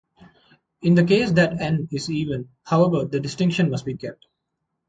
In the case that "n" is even, however, the distinction must be kept.